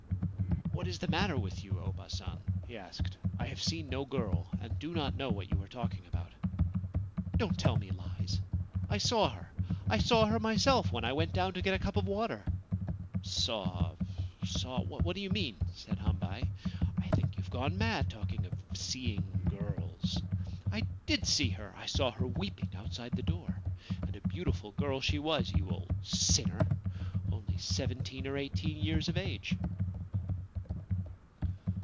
' What is the matter with you, obaa San ?' l he asked. * I have seen no girl, and do not know what you are talking about/ ' Don't tell me lies ! I saw her ! I saw her myself when I went down to get a cup of water !' 4 Saw, saw — what do you mean ?' said Hambei. ' I think you have gone mad, talking of seeing girls !'' I did see her ! I saw her weeping outside the door. And a beautiful girl she was, you old sinner, — only seventeen or eighteen years of age.'